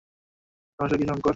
সমস্যা কী, শঙ্কর?